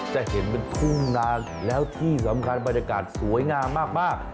จะเห็นเป็นทุ่งนานแล้วที่สำคัญบรรยากาศสวยงามมาก